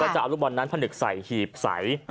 จะเอาลูกบอลนั้นผนึกใส่หีบใส